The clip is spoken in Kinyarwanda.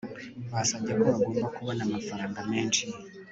basabye ko bagomba kubona amafaranga menshi